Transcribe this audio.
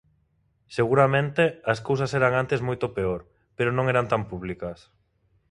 Seguramente, as cousas eran antes moito peor, pero non eran tan públicas.